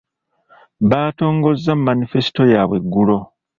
Baatongozza manifesito yaabwe eggulo.